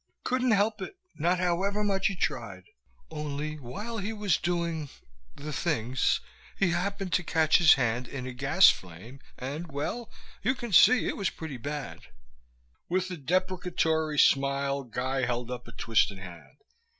Couldn't help it, not however much he tried. Only while he was doing the things he happened to catch his hand in a gas flame and, well, you can see it was pretty bad." With a deprecatory smile Guy held up a twisted hand.